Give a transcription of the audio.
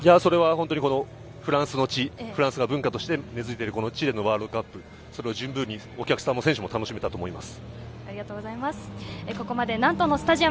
それは本当にフランスの地、フランスの文化として、根づいているこの地でのワールドカップ、それを十分にお客さんも選手も楽しめたと思います。